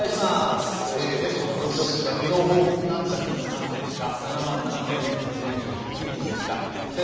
全国の状況ですが昨日報告があった新規感染者数７万７４４８人でした。